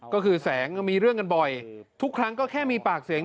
ก็คือแสงมีเรื่องกันบ่อยทุกครั้งก็แค่มีปากเสียง